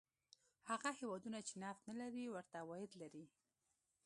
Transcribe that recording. هغه هېوادونه چې نفت نه لري ورته عواید لري.